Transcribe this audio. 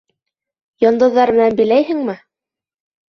Йондоҙҙар менән биләйһеңме?